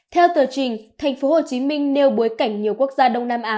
theo tờ trình tp hcm nêu bối cảnh nhiều quốc gia đông nam á